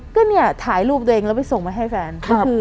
ก็เนี่ยถ่ายรูปตัวเองแล้วไปส่งมาให้แฟน